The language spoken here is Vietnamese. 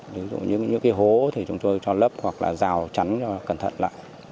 ví dụ như những cái hố thì chúng tôi cho lấp hoặc là rào trắng cho cẩn thận lại